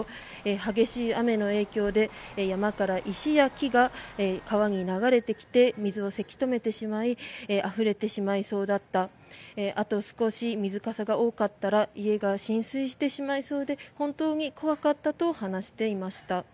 激しい雨の影響で山から石や木が川に流れてきて水をせき止めてしまいあふれてしまいそうだったあと少し水かさが多かったら家が浸水してしまいそうで本当に怖かったと話していました。